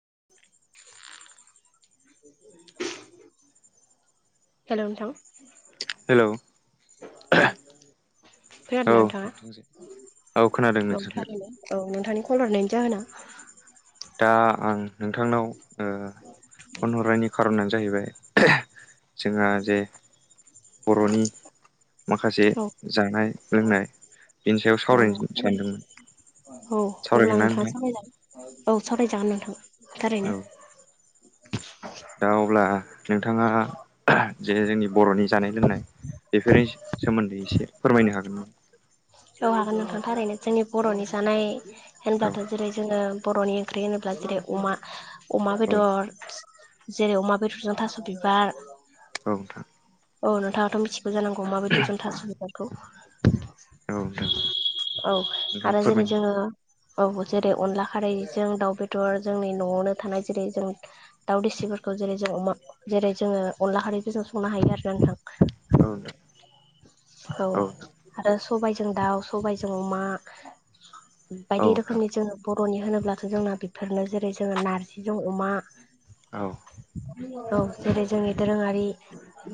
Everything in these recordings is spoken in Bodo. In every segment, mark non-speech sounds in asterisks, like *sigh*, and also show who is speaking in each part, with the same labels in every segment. Speaker 1: *inaudible*
Speaker 2: हेल' नोंथां।
Speaker 1: हेल'।
Speaker 2: औ खोनादोंना नोंथाङा?
Speaker 1: औ खोनादों
Speaker 2: औ
Speaker 1: नोंसोरखौ
Speaker 2: थारैनो औ नोंथांनि कल हरनायनि जाहोना
Speaker 1: दा आं नोंथांनाव ओ फन हरनायनि खार'नानो जाहैबाय जोंहा जे बर'नि माखासे
Speaker 2: औ
Speaker 1: जानाय लोंनाय बेनि सायाव
Speaker 2: औ
Speaker 1: सावरायनो
Speaker 2: न
Speaker 1: सानदोंमोन
Speaker 2: *inaudible* औ
Speaker 1: सावरायगोन
Speaker 2: अब्ला
Speaker 1: ना
Speaker 2: नोंथाङा सावराय जागोन। औ सावराय जागोन नोंथां थारैनो।
Speaker 1: नोंथां औ दा अब्ला नोंथाङा जे जोंनि बर'नि जानाय लोंनाय बेफोरनि सोमोन्दै एसे फोरमायनो हागोन ना?
Speaker 2: औ हागोन नोंथां थारैनो जोंनि बर'नि जानाय
Speaker 1: औ
Speaker 2: होनब्लाथ' जेरै जोङो बर'नि ओंख्रि होनोब्ला जेरै अमा, अमा
Speaker 1: औ
Speaker 2: बेदर जेरै अमा बेदरजों थास' बिबार
Speaker 1: औ नोंथां।
Speaker 2: औ नोंथाङाथ' मिथिगौ जानांगौ माबायदि जन्था थास' बिबारखौ।
Speaker 1: औ नोंथां
Speaker 2: *inaudible* औ
Speaker 1: नोंथाङा
Speaker 2: आरो जेरै
Speaker 1: फोरमायनो
Speaker 2: जोङो औ जेरै अनला खारैजों दाउ बेदर जोंनि न'आवनो थानाय जेरै जों दाउ देसिबो खौ जेरै जों अमा जेरै जोङो अनला खारैखौ जों संनो हायो आरो नोंथां।
Speaker 1: औ दे।
Speaker 2: औ आरो सबायजों दाउ सबायजों अमा।
Speaker 1: नोंथां औ
Speaker 2: बायदि
Speaker 1: नोंथां
Speaker 2: रोखोमनि जोङो बर'नि होनोब्लाथ' जोंना बेफोरनो जेरै जोङो नारजिजों अमा।
Speaker 1: औ।
Speaker 2: औ जेरै जोंनि दोरोङारि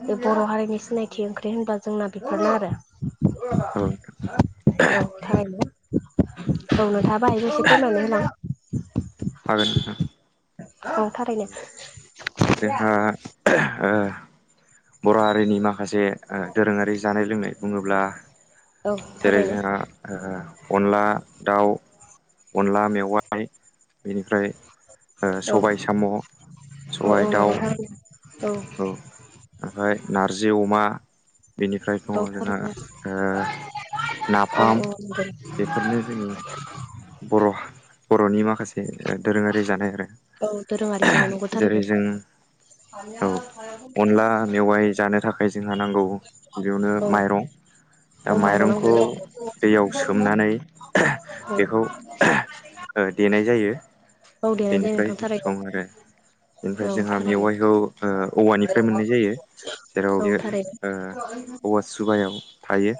Speaker 2: बे बर हारिनि सिनायथि ओंख्रि होनबा। जोंना बेफोरनो आरो औ थारैनो। औ नोंथांआबो हायोबा एसे फोरमायना होलां।
Speaker 1: हागोन नोंथां।
Speaker 2: आं थारैनो।
Speaker 1: जोंहा ओ। बर हारिनि माखासे दोरोङारि जानाय लोंनाय बुङोब्ला।
Speaker 2: औ
Speaker 1: जेरै
Speaker 2: थारैनो
Speaker 1: जोंहा ओ अनला दाउ। अनला मेवाय बेनिफ्राय ओ सबाय साम'
Speaker 2: अ
Speaker 1: सबाय
Speaker 2: औ नंगौ
Speaker 1: दाउ
Speaker 2: नोंथां।
Speaker 1: औ ओमफ्राय नारजि अमा। बेनिफ्राय
Speaker 2: औ
Speaker 1: दङ जोंहा
Speaker 2: थारैनो
Speaker 1: ओ।
Speaker 2: औ
Speaker 1: नाफाम
Speaker 2: औ नंगौ
Speaker 1: बेफोरनो जोंनि। बरहा बरनि माखासे दोरोङारि जानाय आरो।
Speaker 2: औ दोरोङारि जानाय नंगौ
Speaker 1: जेरै
Speaker 2: थारैनो।
Speaker 1: जों औ अनला मेवाइ जानो थाखाय जोंहा नांगौ। गिबियावनो
Speaker 2: औ
Speaker 1: माइरं। दा
Speaker 2: औ माइरं नांगौ
Speaker 1: माइरंखौ
Speaker 2: जायो
Speaker 1: दैयाव सोमनानै।
Speaker 2: औ
Speaker 1: खौ देनाय जायो
Speaker 2: औ देनाय जायो
Speaker 1: बेनिफ्राय
Speaker 2: नोंथां
Speaker 1: जों
Speaker 2: थारैनो
Speaker 1: संङो आरो। बेनिफ्राय
Speaker 2: औ
Speaker 1: जोंहा
Speaker 2: थारैनो
Speaker 1: मेवाइखौ ओ औवानिफ्राय मोननाय जायो जेराव
Speaker 2: औ
Speaker 1: बे
Speaker 2: थारैनो
Speaker 1: ओ। औवा सुबायाव थायो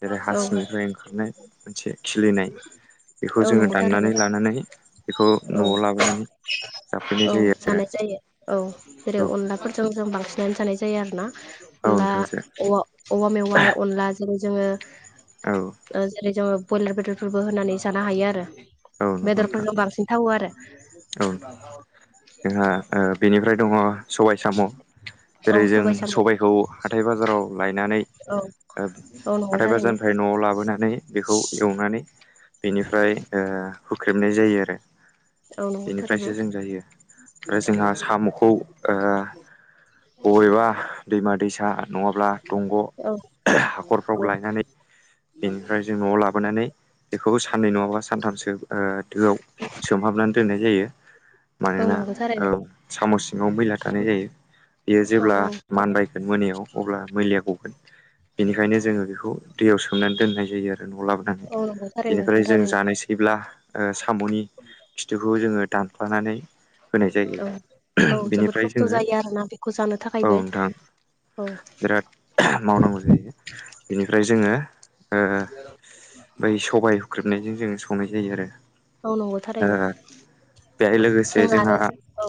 Speaker 1: जेरै
Speaker 2: औ
Speaker 1: हासिंनिफ्राय ओंखारनाय मोनसे खिलिनाय। बेखौ
Speaker 2: औ
Speaker 1: जोंङो
Speaker 2: नंगौ
Speaker 1: दाननानै
Speaker 2: थारैनो
Speaker 1: लानानै बेखौ
Speaker 2: औ
Speaker 1: नआव लाबोनानै। जाफैनाय
Speaker 2: औ
Speaker 1: जायो आरो
Speaker 2: जानाय जायो औ जेरै
Speaker 1: औ
Speaker 2: अनलाफोरजों जों बांसिनानो जानाय जा जायो आरोना
Speaker 1: औ
Speaker 2: होमबा
Speaker 1: नोंथांजो
Speaker 2: अनला औवा मेवाइ अनलाजों जेरै
Speaker 1: औ
Speaker 2: जोंङो। ओ जेरै जोंङो ब्रयलार बेदरफोरबो होनानै जानो हायो आरो।
Speaker 1: औ नंगौ नोंथां
Speaker 2: बेदरफोरजों बांसिन थावो आरो।
Speaker 1: औ जोंहा ओ बेनिफ्राय दङ। सबाय साम
Speaker 2: औ
Speaker 1: जेरै जों
Speaker 2: सबाय साम'
Speaker 1: सबायखौ हाथाय बाजाराव लायनानै।
Speaker 2: औ
Speaker 1: ओ
Speaker 2: औ नंगौ
Speaker 1: हाथाय
Speaker 2: थारैनो
Speaker 1: बाजानिफ्राय नआव लाबोनानै बेखौ एवनानै। बेनिफ्राय ओ हुख्रेमनाय जायो आरो
Speaker 2: औ नंगौ थारैनो।
Speaker 1: बेनिफ्रायसो जों जायो। आरो जोंहा सामखौ ओ बबेबा दैमा दैसा नङाब्ला दंग।
Speaker 2: औ
Speaker 1: हाखरफ्राव
Speaker 2: औ
Speaker 1: लायनानै। बेनिफ्राय जों न'आव लाबोनानै बेखौबो साननै नङाबा सानथाम सो ओ दोआव सोमहाबनानै दोननाय जायो
Speaker 2: औ
Speaker 1: मानोना।
Speaker 2: नंगौ थारैनो
Speaker 1: औ साम' सिङाव मैला थानाय जायो। बियो
Speaker 2: औ
Speaker 1: जेब्ला
Speaker 2: औ थारैनो
Speaker 1: मानबायगोन मोनायाव अब्ला मैलिया गब बेनिखायनो जोंङो बेखौ दैयाव सोमनानै दोननाय जायो आरो। नआव लाबोनानै
Speaker 2: औ नंगौ थारैनो
Speaker 1: बेनिफ्राय
Speaker 2: नोंथां
Speaker 1: जों
Speaker 2: थारैनो।
Speaker 1: जानोसैब्ला। ओ सामनि खिथुखौ जोंङो दानख्लानानै। होनाय जायो
Speaker 2: औ औ जोबोद
Speaker 1: बेनिफ्राय
Speaker 2: खस्थ'
Speaker 1: जोंङो
Speaker 2: जायो आरोना बेखौ जानो
Speaker 1: औ
Speaker 2: थाखायबो
Speaker 1: नोंथां।
Speaker 2: औ
Speaker 1: बिराद मावनांगौ जायो बेनिफ्राय जोंङो ओ। बै सबाय हुख्रेमनायजों जोंङो संनाय जायो आरो।
Speaker 2: औ नंगौ
Speaker 1: दा
Speaker 2: थारैनो
Speaker 1: बेहाय लोगोसे।
Speaker 2: जों
Speaker 1: जोंहा
Speaker 2: आरो
Speaker 1: ओ
Speaker 2: औ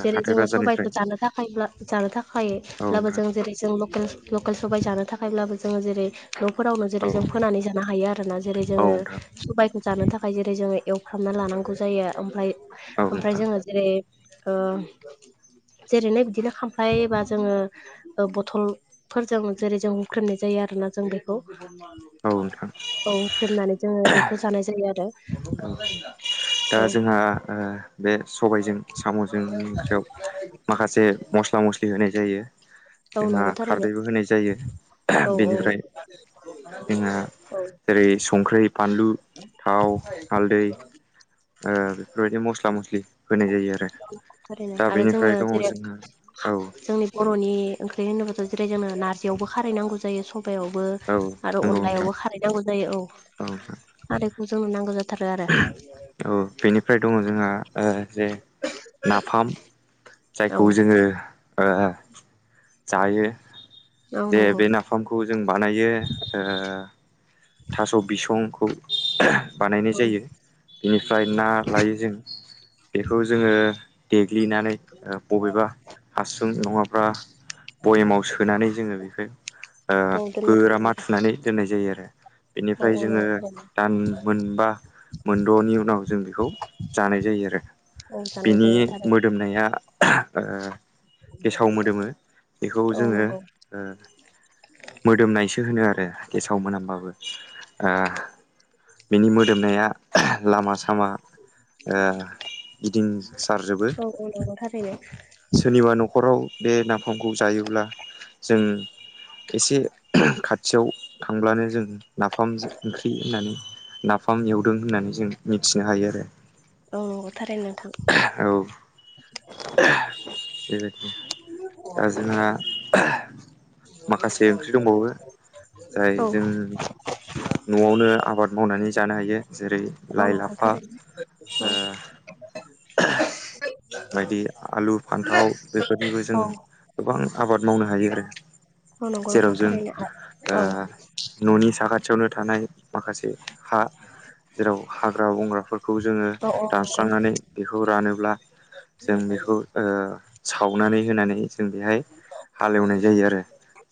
Speaker 2: जेरै
Speaker 1: हाथाय
Speaker 2: जोंङो
Speaker 1: बाजारनिफ्राय
Speaker 2: सबायाइखौ जानो थाखाय जानो थाखाय।
Speaker 1: औ
Speaker 2: ब्लाबो
Speaker 1: नोंथां
Speaker 2: जों जेरै जों लकेल लकेल सबाय जानो थाखायब्लाबो जोंङो जेरै। न'फोरावनो
Speaker 1: औ
Speaker 2: जेरै जों फोनानै जानो हायो आरो ना जेरै
Speaker 1: औ
Speaker 2: जोङो
Speaker 1: नोंथां
Speaker 2: सबायखौ जानो थाखाय जेरै। जेरै जोंङो एवफ्रामना लानांगौ जायो ओमफ्राय
Speaker 1: औ
Speaker 2: ओमफ्राय
Speaker 1: नोंथां
Speaker 2: जोंङो जेरै। ओ जेरैनो बिदिनो खामफ्लायबा जोंङो बथलफोरजों जेरै जोंङो हुख्रेमनाय जायो। जायो आरोना जों बेखौ
Speaker 1: औ नोंथां
Speaker 2: औख्रेमनानै जोङो बेखौ जानाय जायो आरो।
Speaker 1: औ दा
Speaker 2: औ
Speaker 1: जोंहा। बे सबायजों साम'जों ओंख्रियाव माखासे मस्ला मस्लि होनाय जायो।
Speaker 2: औ
Speaker 1: जोंहा
Speaker 2: नंगौ थारैनो
Speaker 1: खारदैबो होनाय जायो
Speaker 2: औ औ
Speaker 1: बेनिफ्राय। जोंहा
Speaker 2: औ
Speaker 1: जेरै साख्रि बानलु। थाव हालदै बेफोरबायदि मस्ला मस्लि होनाय जायो आरो।
Speaker 2: ओरैनो
Speaker 1: दा
Speaker 2: आरो जोङो
Speaker 1: बेनिफ्राय दङ
Speaker 2: जेरै
Speaker 1: जोंहा औ
Speaker 2: जोंनि बर'नि ओंख्रि होनोबाथ'। जेरै जोङो नारजियावबो खारैनांगौ जायो सब। सबायवबो
Speaker 1: औ
Speaker 2: आरो
Speaker 1: नंगौ नोंथां
Speaker 2: अनलायावबो खारै नांगौ जायो औ खैखौ जोंनो नांगौ जायो।
Speaker 1: औ बेनिफ्राय दङ जोंहा। जे नाफाम
Speaker 2: औ
Speaker 1: जायखौ जोङो। ओ।
Speaker 2: औ
Speaker 1: दे
Speaker 2: नंगौ
Speaker 1: बे नाफामखौ जों बानायो ओ थास' बिसंखौ।
Speaker 2: औ
Speaker 1: बानायनाय जायो बेनिफ्राय। बेखौ जोङो देग्लिनानै बबेबा हासुं नङाफ्रा। बयामाव सोनानै जोङो बेखौ।
Speaker 2: औ दोननाय जायो
Speaker 1: गोरा
Speaker 2: आरो
Speaker 1: मााथुनानै।
Speaker 2: औ
Speaker 1: बेनिफ्राय
Speaker 2: औ
Speaker 1: जोङो
Speaker 2: नंगौ थारैनो
Speaker 1: दान मोनबा मोनद'नि उनाव। जों बेखौ जानाय जायो आरो
Speaker 2: औ जानाय
Speaker 1: बिनि
Speaker 2: जायो थारैनो
Speaker 1: मोदोमनाया। गेसाव मोदोमो बेखौ
Speaker 2: औ
Speaker 1: जोङो।
Speaker 2: नंगौ
Speaker 1: मोदोमनायसो होनो आरो गेसाव मोनामबाबो। बिनि मोदोमनाया। लामा सामा गिदिंसारजोबो।
Speaker 2: औ नंगौ थारैनो
Speaker 1: सोरनिबा न'। एसे खाथियाव थांब्लानो जों नाफाम।
Speaker 2: औ थारैनो नोंथां।
Speaker 1: बेबायदिनो। जाय
Speaker 2: औ।
Speaker 1: जों न'आवनो आबाद मावनानै जानो हायो जेरै
Speaker 2: औ
Speaker 1: लाइ
Speaker 2: नंगौ
Speaker 1: लाफा।
Speaker 2: थारैनो
Speaker 1: ओ
Speaker 2: औ।
Speaker 1: *inaudible* बायदि आलु फान्थाव बेफोरनिबो जों
Speaker 2: औ
Speaker 1: गोबां आबाद मावनो हायो आरो।
Speaker 2: औ नंगौ
Speaker 1: जेराव
Speaker 2: नोंथां
Speaker 1: जों।
Speaker 2: थारैनो औ
Speaker 1: खाथियावनो थानाय माखासे हा। बेखौ जोङो
Speaker 2: औ नंगौ
Speaker 1: दानस्रांनानै बेखौ रानोब्ला। जों बेखौ सावनानै। जों बेहाय।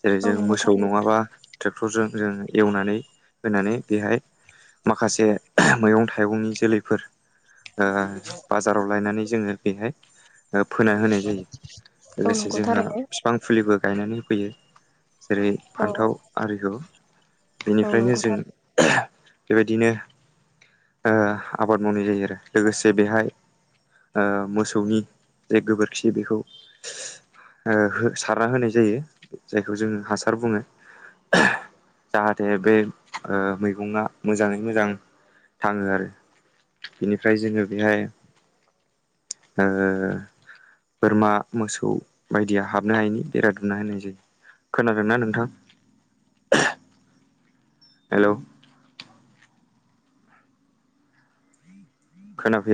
Speaker 2: औ नंगौ थारैनो
Speaker 1: जों एवनानै होनानै बेहाय। माखासे मैगं थाइगंनि जोलैफोर। फोना होनाय
Speaker 2: औ नंगौ
Speaker 1: जायो।
Speaker 2: थारैनो
Speaker 1: हो फैयो जेरै
Speaker 2: औ
Speaker 1: फान्थाव आरिहु
Speaker 2: औ
Speaker 1: बेनिफ्रायनो
Speaker 2: नंगौ थारैनो
Speaker 1: जों। बेबायदिनो। आबाद मावनाय जायो आरो लोगोसे बेहाय मोसौनि जे गोबोरखि बेखौ। सारना होनाय जायो जायखौ जोङो हासार बुङो। जाहाथे बे। बिनिफ्राय जोङो बेहाय। बोरमा मोसौ बायदिया। खोनादोंना नोंथां हेल' खोना फैया